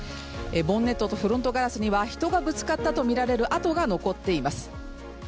ボンネットとフロントガラスには人がぶつかったと見られる跡が残っています。